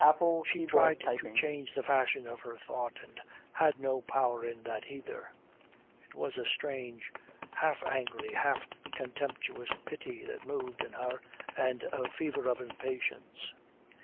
She tried to change the fashion of her thought and had no power in that either. It was a strange, half angry, half contemptuous pity that moved in her, and a fever of impatience.